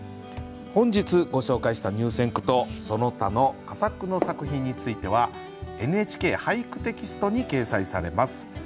本日ご紹介した入選句とその他の佳作の作品については「ＮＨＫ俳句」テキストに掲載されます。